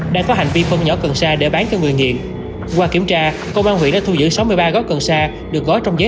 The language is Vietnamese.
đang có hành vi phân nhỏ cần xa để bán cho người nghiện